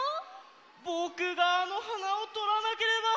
ぼくがあのはなをとらなければ。